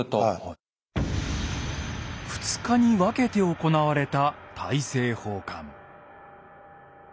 ２日に分けて行われた大政奉還。